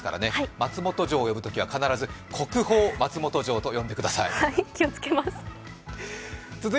松本城を呼ぶときは必ず「国宝・松本城」と呼んでください。